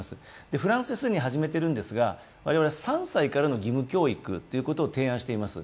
フランスで既に始めているんですが我々３歳からの義務教育を提案しています